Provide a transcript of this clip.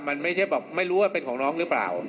ไม่รู้ว่าเป็นของน้องหรือเปล่า